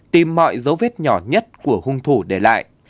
tìm mọi dấu vết nhỏ nhất của hung thủ để lại